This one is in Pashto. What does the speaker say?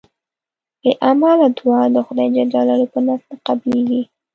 بی عمله دوعا د خدای ج په نزد نه قبلېږي